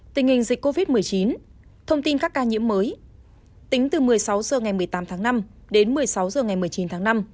tình hình dịch covid một mươi chín thông tin các ca nhiễm mới tính từ một mươi sáu h ngày một mươi tám tháng năm đến một mươi sáu h ngày một mươi chín tháng năm